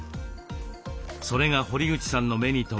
それが堀口さんの目に留まり